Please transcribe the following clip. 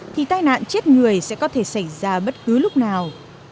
thì tai nạn chết người sẽ có thể xảy ra bất cứ lúc nào